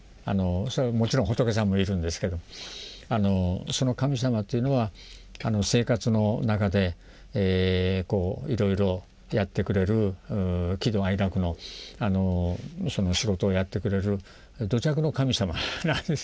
それはもちろん仏さんもいるんですけどその神様というのは生活の中でいろいろやってくれる喜怒哀楽の仕事をやってくれる土着の神様なんですね。